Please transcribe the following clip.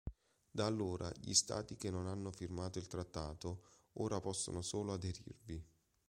Da allora, gli Stati che non hanno firmato il trattato ora possono solo aderirvi.